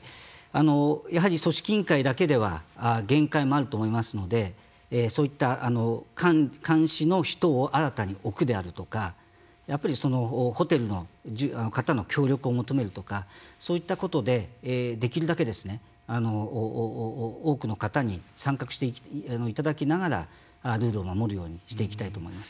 やはり組織委員会だけでは限界もあると思いますのでそういった監視の人を新たに置くであるとかやっぱりホテルの方の協力を求めるとかそういったことでできるだけ多くの方に参画していただきながらルールを守るようにしていきたいと思います。